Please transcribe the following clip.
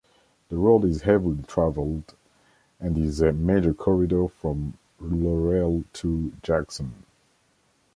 The road is heavily traveled, and is a major corridor from Laurel to Jackson.